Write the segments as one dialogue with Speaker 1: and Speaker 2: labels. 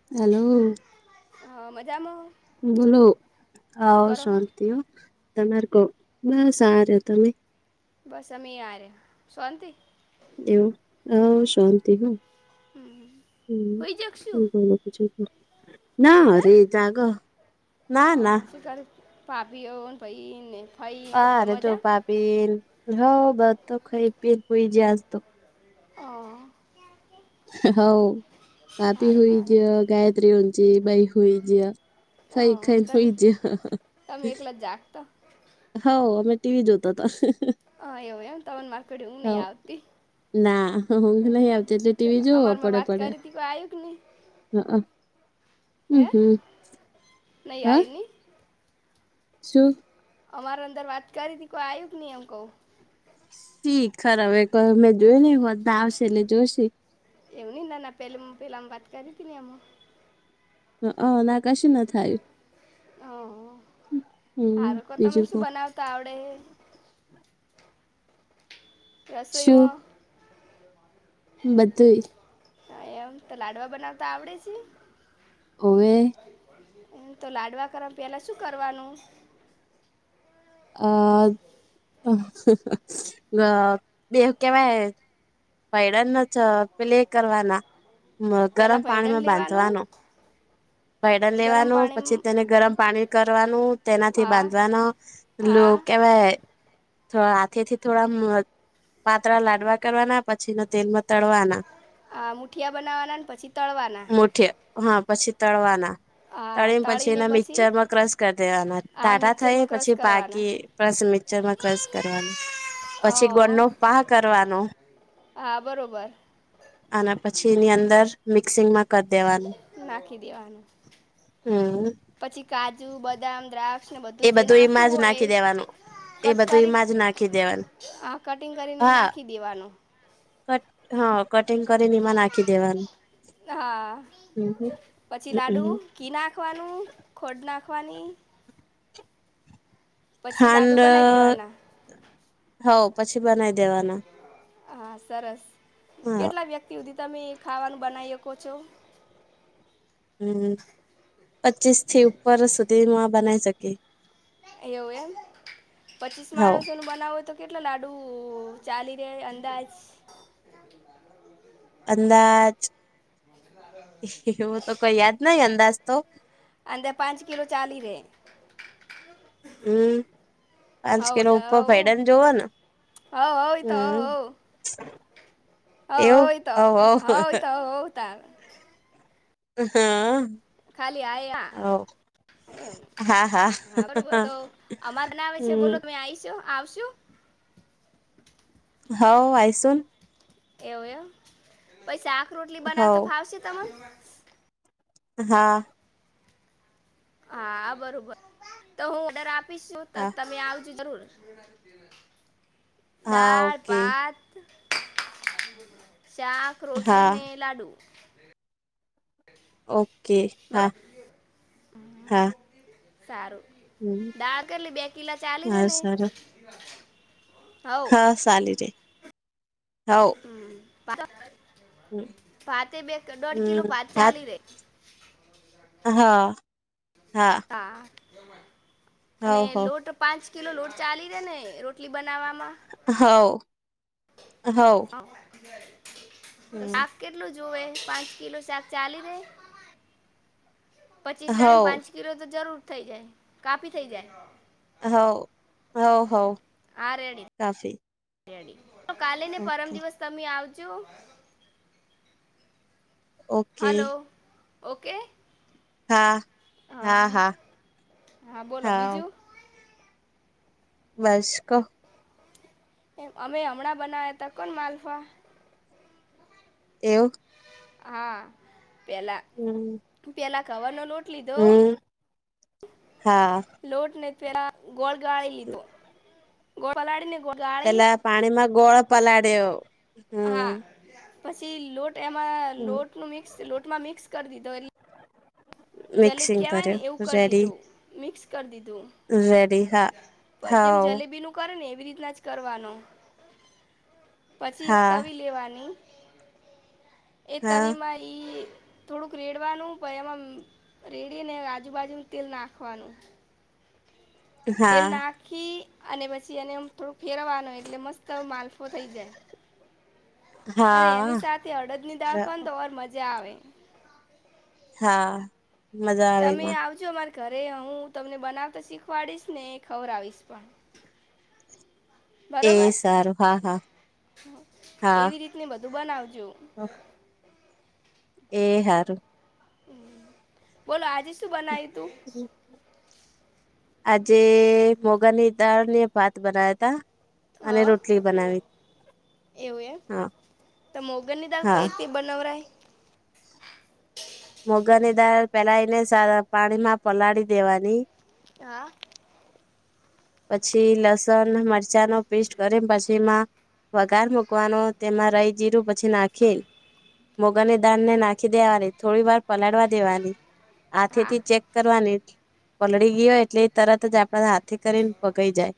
Speaker 1: [unintelligible]
Speaker 2: હ મજામ.
Speaker 1: બોલો આવ શાંતિઓ તમાર કો [unintelligible] સાર એટલે.
Speaker 2: બસ અમે આ રયા શાંતિ?
Speaker 1: એવું હવ શાંતિ હ હમ.
Speaker 2: હોઈ જગશું
Speaker 1: [unintelligible] [unintelligible] ના
Speaker 2: હે
Speaker 1: અરે જાગહ ના ના.
Speaker 2: ઘરે ભાભીઓ ન ભઈ ને ફઈ
Speaker 1: આ
Speaker 2: બધા
Speaker 1: ર તો
Speaker 2: મજા
Speaker 1: ભાભીન હઉ બ તો ખઈ પીન હુઈ જ્યા આજ તો.
Speaker 2: હાં.
Speaker 1: હઉ બાપી
Speaker 2: સારું
Speaker 1: હુઈ
Speaker 2: સારું છે.
Speaker 1: જ્યાં ગાયત્રી ઊંજી બઈ હુઈ જ્યાં.
Speaker 2: અ
Speaker 1: ખઈ ખઈન
Speaker 2: તમે
Speaker 1: હુઈ જ્યાં
Speaker 2: તમે એકલા જ જાગતા
Speaker 1: હઉ અમે ટીવી જોતાતા.
Speaker 2: હા એવું એમ તમને મારે કડી ઊંઘ
Speaker 1: હઉ
Speaker 2: નહીં આવતી
Speaker 1: ના હુંઘ નઈ
Speaker 2: હમ,
Speaker 1: આવતી ટીવી
Speaker 2: ચલો અમારે
Speaker 1: જોવ
Speaker 2: મેં
Speaker 1: પડ્યા
Speaker 2: વાત
Speaker 1: પડ્યા
Speaker 2: કરી હતી કોઈ આવ્યું કે નહીં
Speaker 1: હક હમ હમ
Speaker 2: નહી
Speaker 1: હા
Speaker 2: આઈ નહી?
Speaker 1: શું?
Speaker 2: અમાર અંદર વાત કરીતી કોઈ આયુ ક નઈ એમ કઉ.
Speaker 1: શી ખર હવે કોમેં જોયું ને હોજજ આવશે એટલે જોશે.
Speaker 2: એવું નહી લા લા પેલમ પેલામ વાત કરીતી ન એમાં.
Speaker 1: હ, ના કશે ના. થયું
Speaker 2: હ,
Speaker 1: હમ
Speaker 2: હારકો તમે
Speaker 1: બીજું કો
Speaker 2: શું બનાવતા આવડે? રસોઈમાં.
Speaker 1: બધુઈ.
Speaker 2: હા, એમ તો લાડવા બનાવતા આવડે છે?
Speaker 1: ઓવે.
Speaker 2: એમ તો લાડવા કરમ પેલા શું કરવાનું?
Speaker 1: અ બે કેવાય. ભૈડાને પ્લે કરવાના ગરમ
Speaker 2: પહેલાં ભૈડન
Speaker 1: પાણીમાં
Speaker 2: લેવાનું
Speaker 1: બાંધવાનો. ભયડન
Speaker 2: ગરમ
Speaker 1: લેવાનું,
Speaker 2: પાણી
Speaker 1: પછી તેને ગરમ પાણી કરવાનું, તેનાથી
Speaker 2: હા
Speaker 1: બાંધવાનો.
Speaker 2: હા
Speaker 1: ત [unintelligible] હાથે થી થોડા પાતળા લાડવા કરવાના, પછી તેલમાં તળવાના
Speaker 2: આ મુઠિયા બનાવાના ને, પછી તળવાના.
Speaker 1: મુઠિયાં. હા, પછી તળવાના.
Speaker 2: હા
Speaker 1: તળી ને, પછી
Speaker 2: તળીને
Speaker 1: એ મિક્સચર માં ક્રશ કરી દેવાના,
Speaker 2: હા
Speaker 1: તાઢા
Speaker 2: મિક્સરમાં
Speaker 1: થાય
Speaker 2: ક્રશ
Speaker 1: પછી પાક કે
Speaker 2: કરવાના
Speaker 1: પસ મિક્ચરમાં ક્રસ કરવાનો, પછી ગોળ
Speaker 2: હા
Speaker 1: નો પા કરવાનો.
Speaker 2: હા, બરોબર.
Speaker 1: અને પછી એની અંદર મિક્સિંગ માં કરી દેવાનું.
Speaker 2: નાખી દેવાનું.
Speaker 1: હમ.
Speaker 2: પછી કાજુ, બદામ, દ્રાક્ષ ને બધું
Speaker 1: એ
Speaker 2: જે નાખવું
Speaker 1: એમાં જ
Speaker 2: હોય.
Speaker 1: નાખી દેવાનું એ
Speaker 2: કટ
Speaker 1: બધું
Speaker 2: કરી
Speaker 1: એમાં જ નાખી દેવાનું
Speaker 2: હ કટિંગ કરીને,
Speaker 1: હા
Speaker 2: નાખી દેવાનું.
Speaker 1: કટ. હા, કટિંગ કરીને, એમાં નાખી દેવાનું.
Speaker 2: હા
Speaker 1: હમ,
Speaker 2: પછી
Speaker 1: હ,
Speaker 2: લાડુ
Speaker 1: હમ.
Speaker 2: ઘી નાખવાનું, ખોડ નાખવાની. પછી લાડુ
Speaker 1: ખાંડ.
Speaker 2: બનાવી દેવાના
Speaker 1: હો પછી બનાવી દેવાના, હા.
Speaker 2: તે સુધી તમે ખાવાનું બનાવી હકો છો.
Speaker 1: હમ, પચીસ થી ઉપર સુધી બનાવી શકીએ.
Speaker 2: એવું એમ પચીસ
Speaker 1: હઉ
Speaker 2: માણસોનું બનાવું તો. કેટલા લાડુ ચાલી રહે, અંદાજ
Speaker 1: અંદાજ એવું તો કોઈ યાદ નહી, અંદાજ તો
Speaker 2: અંદાજે પાંચ કિલો ચાલી રે.
Speaker 1: હમ, પાંચ કિલો ઉપર ભૈડન જોવો ને.
Speaker 2: હ, હો એ તો હો,
Speaker 1: હમ
Speaker 2: હો. હ
Speaker 1: એવું
Speaker 2: હોય તો,
Speaker 1: હવ હવ
Speaker 2: હોય તો હોત.
Speaker 1: હા.
Speaker 2: ખાલી આ એ.
Speaker 1: હ.
Speaker 2: એમ. હા, બરોબર તો અમાર ના આવે છે,
Speaker 1: હમ
Speaker 2: બોલો તમે આઈશો આવશુ.
Speaker 1: હ, આઈ સુન.
Speaker 2: એવું એમ પછી શાક રોટલી બનાવ તો,
Speaker 1: હવ
Speaker 2: ફાવશે તમને
Speaker 1: હા.
Speaker 2: હા બરોબર તો હું ઓર્ડર આપીશ છું તો
Speaker 1: હા
Speaker 2: તમે આવજો જરૂર
Speaker 1: હા
Speaker 2: દાળ
Speaker 1: ઓકે
Speaker 2: ભાત શાક રોટલી
Speaker 1: હા
Speaker 2: ને લાડુ
Speaker 1: ઓકે
Speaker 2: બહુ
Speaker 1: હા હા
Speaker 2: સારું
Speaker 1: હમ
Speaker 2: દાડ કેટલી બે કિલા ચાલી રે
Speaker 1: હા
Speaker 2: ને
Speaker 1: સરસ
Speaker 2: હવ
Speaker 1: હા ચાલી રે હવ
Speaker 2: હમ પાતળી બે દોડ કિલો
Speaker 1: હમ
Speaker 2: [unintelligible]
Speaker 1: ભાત
Speaker 2: ચાલી રે
Speaker 1: હા
Speaker 2: હા અને
Speaker 1: હવ હવ
Speaker 2: લોટ પાંચ કિલો લોટ ચાલી રહે ને રોટલી બનાવવામાં
Speaker 1: હોવ હોવ
Speaker 2: હા. શાક કેટલું જોુવે પાંચ કિલો શાક ચાલી રે પચીસ
Speaker 1: હવ
Speaker 2: જણાને પાંચ કિલો તો જરૂર થઈ જાય કાપી થઈ જાય
Speaker 1: હોવ હોવ હો કાફી
Speaker 2: તો કાલે ને પરમ
Speaker 1: ઓકે
Speaker 2: દિવસ તમે આવજો
Speaker 1: ઓકે
Speaker 2: હલો ઓકે
Speaker 1: હા હા હા
Speaker 2: બોલો
Speaker 1: હા
Speaker 2: બીજું
Speaker 1: વાસ ક
Speaker 2: એ અમે હમણાં બનાવ્યા ત કોણ માલફા
Speaker 1: એવું
Speaker 2: હા પેલા
Speaker 1: હમ
Speaker 2: પેલા ઘઉં નો લોટ લીધો
Speaker 1: હમ હા
Speaker 2: લોટ ને તરા ગોળ ગાળી લીધો ગોળ પલાળીને ગોળ ગાળી
Speaker 1: પેલા પાણીમાં ગોળ પલાળ્યો
Speaker 2: હા
Speaker 1: હમ
Speaker 2: પછી લોટ એમાં લોટ નું મિક્સ લોટમાં મિક્સ કરી દીધો એટ જલેબ
Speaker 1: મિક્સિંગ
Speaker 2: કહેવાય ને
Speaker 1: કર્યો
Speaker 2: એવું કરી દીધું મિક્સ કરી દીધું
Speaker 1: વેરી
Speaker 2: પણ જેમ જલેબીનું કરે ને એવી રીતના જ કરવાનો પછી એક
Speaker 1: હા
Speaker 2: તવી લેવાની એ
Speaker 1: હા
Speaker 2: તવીમાં એ થોડુંક રેડવાનું પ એમાં રેડી ને આજુબાજુું તેલ નાખવાનુ તેલ
Speaker 1: હા
Speaker 2: નાખી અને પછી એને થોડું ફેણવાનું એટલે મસ્ત માલફો થઈ જાય
Speaker 1: [inaudible]
Speaker 2: અને એની
Speaker 1: હા
Speaker 2: સાથે અડદ ની દાળ ખાવ તો ઓર મજા આવે
Speaker 1: હા મજા આવે
Speaker 2: તમે
Speaker 1: એમાં
Speaker 2: આવજો અમારે ઘરે હું તમને બનાવતા શીખવાડીશ ને ખબર આવીશ પણ
Speaker 1: એ
Speaker 2: બરોબર
Speaker 1: સારું હા હા હા
Speaker 2: ને બધું બનાવજો
Speaker 1: એ હારુ
Speaker 2: બોલો આજે શું બનાય તું
Speaker 1: આજે મોગદ દાળ ને ભાત બનાવિયતા
Speaker 2: હા એવું એમ
Speaker 1: હા
Speaker 2: તો મોંગળ ની દાળ કઈ
Speaker 1: હા
Speaker 2: રીતે બનવરાય
Speaker 1: [inaudible] મોગર ની દાળ પેલા એને સારા પાણીમાં પલાળી દેવાની
Speaker 2: હા.
Speaker 1: પછી લસણને મરચાં નો પેસ્ટ કરી પછી એમાં. વગાર મૂકવાનો તેમાં રાઈ જીરું પછી નાખીન મુગરની દાળને નાખી દેવાની થોડી વાર પલાળવા દેવાની હાથે
Speaker 2: હા
Speaker 1: થી ચેક કરવાની પલળી ગઈ હોય એટલે એ તરત જ આપડા હાથે કરીને પકી જાય.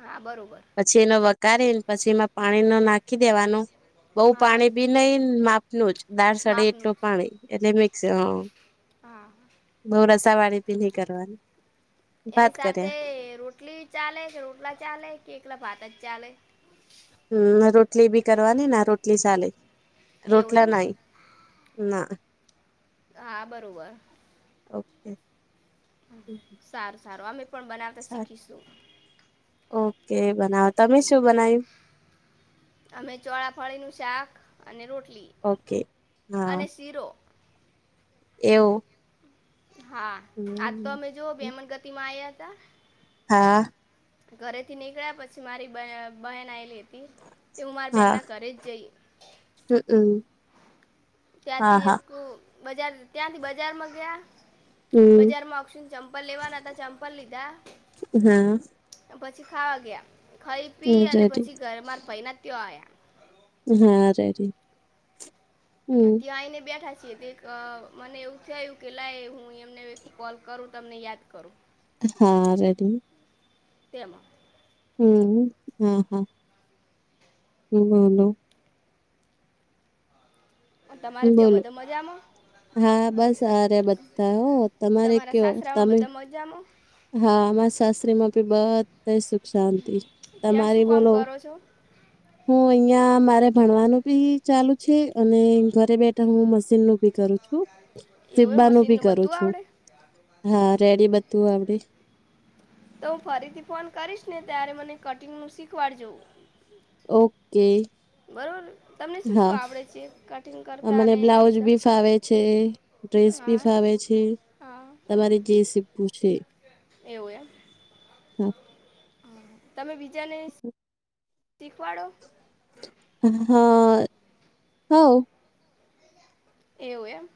Speaker 2: હા બરાબર
Speaker 1: પછી એનો વઘારીને પછી એમાં પાણી નો નાખી દેવાનું બઉ
Speaker 2: હા
Speaker 1: પાણી બી નઈ મા નુજ દાળ સડે
Speaker 2: માપનું
Speaker 1: એટલું
Speaker 2: જ
Speaker 1: પાણી એટલે મિક્સ હ
Speaker 2: હા.
Speaker 1: બઉ રસાવાળી બી ની કરવાની
Speaker 2: એની
Speaker 1: ભાત કર્યા
Speaker 2: સાથે રોટલી ચાલે કે રોટલા ચાલે કે એકલા ભાતા જ ચાલે
Speaker 1: હમ ને રોટલી બી કરવાની ને રોટલી ચાલે
Speaker 2: એવું
Speaker 1: રોટલા
Speaker 2: એમ
Speaker 1: નઈ ના.
Speaker 2: આ બરોબર.
Speaker 1: ઓકે
Speaker 2: સારું સારું અમે પણ બનાવતા
Speaker 1: સારું
Speaker 2: શીખીશું.
Speaker 1: ઓકે બનાવો તમે શું બનાય્યું?
Speaker 2: અમે ચોળાફળી નું શાક અને રોટલી
Speaker 1: ઓકે હા
Speaker 2: ચીરો
Speaker 1: એવું
Speaker 2: હા આજ તો
Speaker 1: હમ
Speaker 2: અમે જોઓ બેમનગતિ માં આયા હતા
Speaker 1: હા
Speaker 2: ઘરેથી નીકળ્યા પછી મારી બહેન આવેલી હતી તે હું મારી બેનના ઘરે જ જઈ
Speaker 1: હમ હમ
Speaker 2: ત્યાંથી એક બજાર ત્યાંથી બજારમાં ગયા
Speaker 1: હમ
Speaker 2: બજારમાં ઓપશન ચંપલ લેવાના હતા ચંપલ લીધા
Speaker 1: હા
Speaker 2: પછી ખાવા ગયા ખઈ પી અને
Speaker 1: રેડી
Speaker 2: પછી ઘર માર ભાઈ ના ત્યા આયા
Speaker 1: હારે રી
Speaker 2: ત્યા આઈને બેઠા છીએ તેક અ મને એવું થયું કે લાય હું એમને કોલ કરું તમને યાદ કરું
Speaker 1: હા રેડી
Speaker 2: તેમાં
Speaker 1: હમ હા હા બોલો
Speaker 2: તમારે ત્યાં
Speaker 1: બોલો
Speaker 2: બધા મજામાં?
Speaker 1: હા બસ હારે બધા હો તમારે કેવો તમે
Speaker 2: મજામા
Speaker 1: હા અમા સાસરીમાં બી બધા સુ શાંતિ
Speaker 2: ત્યાં શું
Speaker 1: તમારી
Speaker 2: કામ
Speaker 1: બોલો
Speaker 2: કરો છો
Speaker 1: હું અહિયાં મારે ભણવાનું બી ચાલુ છે અને ઘરે બેઠા હું મશીન નું ભી કરું છું
Speaker 2: એવું
Speaker 1: સી્બા નું ભી
Speaker 2: મશીનનું
Speaker 1: કરું
Speaker 2: બધું
Speaker 1: છું.
Speaker 2: આવડે
Speaker 1: હા રેડી બધું આવડે
Speaker 2: તો હું ફરીથી ફોન કરીશ ને ત્યારે મને કટિંગનું શીખવાડજો.
Speaker 1: ઓકે
Speaker 2: બરોબર તમને શું શું
Speaker 1: હા.
Speaker 2: આવડે છે કટિંગ
Speaker 1: અ
Speaker 2: કરતા
Speaker 1: મને
Speaker 2: અને
Speaker 1: બ્લાઉજ
Speaker 2: સીવતા
Speaker 1: બી ફાવે છે ડ્રેસ પી
Speaker 2: હા
Speaker 1: ફાવે છે
Speaker 2: હા
Speaker 1: તમારી જે સીખવુ છે એ
Speaker 2: એવુ એમ તમે બીજાને શીખવાડો
Speaker 1: હા હવ
Speaker 2: એવું એમ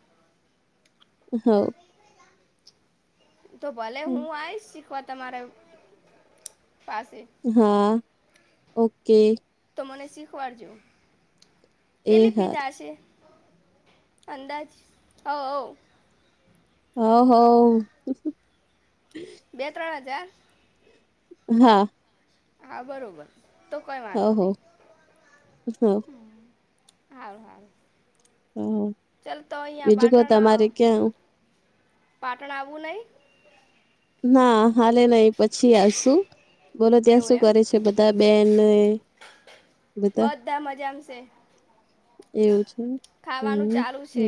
Speaker 1: હ
Speaker 2: તો ભલે
Speaker 1: હવ
Speaker 2: હું આવીશ શીખવા તમારે પાસે
Speaker 1: હા ઓકે
Speaker 2: તો મને શીખવાડ જો,
Speaker 1: એ
Speaker 2: કેટલી ફી
Speaker 1: હાર
Speaker 2: થાશે. અંદાજ હો આવુ
Speaker 1: હ હ
Speaker 2: બે ત્રણ હજાર
Speaker 1: હા
Speaker 2: હા બરોબર તો કઈ વાંધો
Speaker 1: હવ
Speaker 2: નહી
Speaker 1: હવ
Speaker 2: હ, હાર હારુ
Speaker 1: હમ,
Speaker 2: ચાલ તો અહીંયા પાટણ, પાટણ આવવું નહી
Speaker 1: ના હાલે નહી પછી આવીશું બોલો ત્યાં
Speaker 2: એવું
Speaker 1: શું
Speaker 2: એમ
Speaker 1: કરે છે બધા બેન
Speaker 2: બધા મજામ શે.
Speaker 1: એવું છે
Speaker 2: ખાવાનું
Speaker 1: હમ
Speaker 2: ચાલુ છે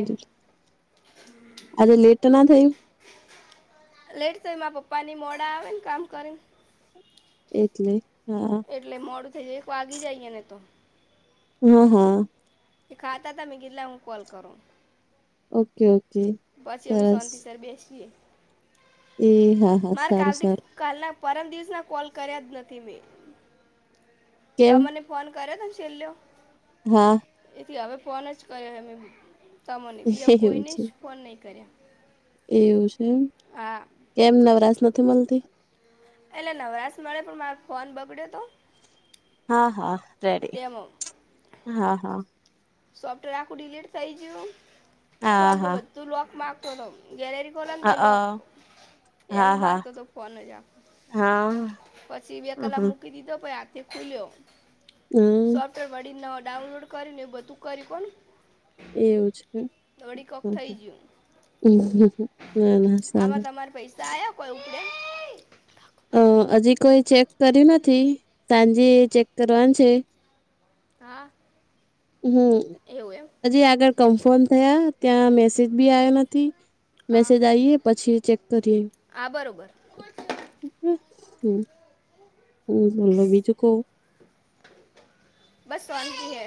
Speaker 1: આજે લેટ નથી.
Speaker 2: લેટ થયુ માર પપ્પા ન ઈ મોડા આવે ને કામ કરીને,
Speaker 1: એટલે હા,
Speaker 2: એટલે મોડું થઈ જ, એક વાગી જાય ઈ ને તો.
Speaker 1: હમ હા,
Speaker 2: એ ખાતા હતા મે કિધ લાય હું કોલ કરું.
Speaker 1: Okay okay.
Speaker 2: પછી અમે
Speaker 1: સરસ
Speaker 2: સોંતિ સર બેસીએ.
Speaker 1: એ હા. હા
Speaker 2: મારે
Speaker 1: સારું
Speaker 2: કાલથી
Speaker 1: સારું
Speaker 2: કાલના પરમ દિવસના કોલ કર્યા જ નથી મેં, ત
Speaker 1: કેમ
Speaker 2: મને ફોન કર્યો તો છેલ્યો,
Speaker 1: હા,
Speaker 2: એથી હવે ફોન જ કર્યો એમે તમોને બીજા
Speaker 1: એવું
Speaker 2: કોઈને
Speaker 1: છે
Speaker 2: જ ફોન નહી કર્યા.
Speaker 1: એવું છેમ
Speaker 2: હા
Speaker 1: કેમ નવરાશ નથી મળતી.
Speaker 2: એટલે નવરાશ મળે પણ મારો ફોન બગડ્યો હતો.
Speaker 1: હા હા રેડી
Speaker 2: તેમાં
Speaker 1: હા હા,
Speaker 2: સોફ્ટવેર આખું ડીલીટ થઇ ગયું
Speaker 1: હા
Speaker 2: ફોનમાં
Speaker 1: હા
Speaker 2: બધું લોક માંગતો ગેલેરી મ ખોલ
Speaker 1: અ
Speaker 2: તો
Speaker 1: અ
Speaker 2: લોક, હેંગ
Speaker 1: હા હા
Speaker 2: મારતો તો ફોન જ આ
Speaker 1: હા
Speaker 2: પછી બે કલાક
Speaker 1: હમ
Speaker 2: મૂકી દીધો પહિ આજ થી ખુલ્યો.
Speaker 1: હમ,
Speaker 2: પર વડી ન ડાઉનલોડ કરીને એ બધું કર્યું પણ
Speaker 1: એવું છે
Speaker 2: કોક થઈ ગયું
Speaker 1: એમ ના ના
Speaker 2: આમાં
Speaker 1: સારૂ
Speaker 2: તમારે પૈસા આ્યા [unintelligible]
Speaker 1: અ હજી કોઈ ચેક કરી નથી સાંજે ચેક કરવાનું છે.
Speaker 2: હા એવું એમ
Speaker 1: હમ હજી આગળ કોન્ફોમ થયા ત્યાં મેસેજ બી આયો નથી
Speaker 2: હા
Speaker 1: મેસેજ આવીએ પછી ચેક કરીએ
Speaker 2: હા બરોબર
Speaker 1: હ હું બોલો બીજું કવ
Speaker 2: બસ શાંતિ હે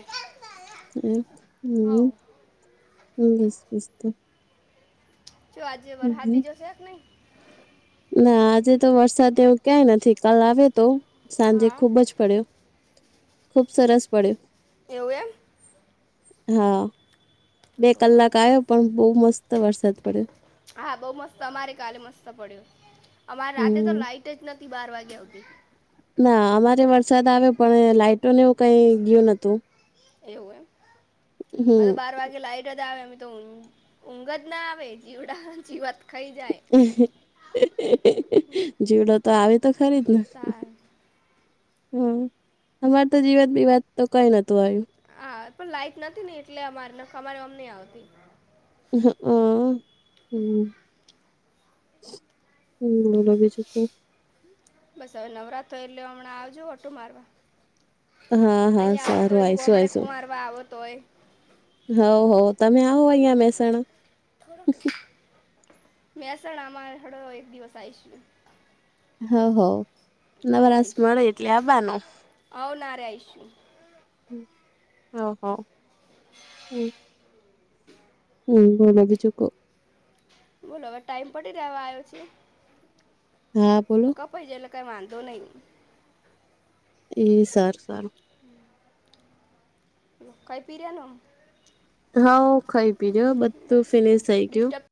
Speaker 1: હ હ
Speaker 2: હા
Speaker 1: હ બસ બસ તો
Speaker 2: જો આજે વરસાદ
Speaker 1: હમ.
Speaker 2: બીજો છેક નહીં
Speaker 1: ના આજે તો વરસાદ એવું ક્યાંય નથી કાલ આવ્યો તો સાંજે
Speaker 2: હા
Speaker 1: ખુબ જ પડ્યો ખુબ સરસ પડ્યો
Speaker 2: એવું એમ
Speaker 1: હા બે
Speaker 2: ટોળે
Speaker 1: કલાક
Speaker 2: મૂકવા
Speaker 1: આવ્યો પણ બહુ મસ્ત વરસાદ પડ્યો
Speaker 2: હા બહુ મસ્ત અમારે કાલે મસ્ત પડ્યો અમારે રાતે
Speaker 1: હમ
Speaker 2: તો લાઇટ જ નથી બાર વાગ્યા હુધી
Speaker 1: ના અમારે વરસાદ આવ્યો પણ લાઈટોને એવું કઈ ગયું નતું
Speaker 2: એવું
Speaker 1: હમ
Speaker 2: એમ બાર વાગે લાઈટ આવે એ તો ઊંઘ જ ના આવે જીવડા જીવાત- ખાઈ જાય
Speaker 1: જીવડો તો આવી તો ખરી જ ને
Speaker 2: તાર
Speaker 1: હમ અમારે તો જીવાત બીવાદ તો કઈ નોતું આયુ
Speaker 2: હા પણ લાઈટ નથી ની એટલે અ અમારી ઓમ નઇ આવતી
Speaker 1: હ હ હમ હમ બોલો બીજું
Speaker 2: બસ હવે નવરાતી એટલે હમણાં આવજો ઓટો મારવા
Speaker 1: હા હા
Speaker 2: અહિયાંયા આવતો
Speaker 1: સારું
Speaker 2: હોયને
Speaker 1: આવીશું
Speaker 2: ગોમડે કુંમારવા આવતો હોય
Speaker 1: હોવ હોવ તમે આવો અહિયાં મહેસાણા
Speaker 2: મહેસાણામાં હેડો એક દિવસ આયશું
Speaker 1: હ હ
Speaker 2: હવે
Speaker 1: નવરાશ
Speaker 2: આવીશું
Speaker 1: મળે એટલે આવવાનુ
Speaker 2: આવનારે આવીશું
Speaker 1: હ હ હું હું બોલો બીજુ કો
Speaker 2: બોલો અવે ટાઈમ પડી રેવા આયો છે.
Speaker 1: હા બોલો
Speaker 2: [unintelligible] એટલે કઈ વાંધો નઈ
Speaker 1: એ સાર સારું
Speaker 2: [inaudible] ખાઇ પી રહ્યાં ને
Speaker 1: હાવ ખાઈ પી રિયો બધું
Speaker 2: બસ
Speaker 1: ફિનિશ થઈ ગયું
Speaker 2: ડિસ્ટર્બ